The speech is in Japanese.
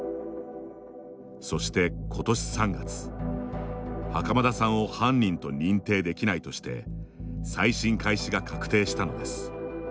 そして、今年３月、袴田さんを犯人と認定できないとして再審開始が確定したのです。